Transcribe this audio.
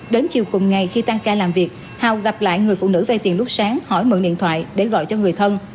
đến chiều cùng ngày khi tăng ca làm việc hào gặp lại người phụ nữ vay tiền lúc sáng hỏi mượn điện thoại để gọi cho người thân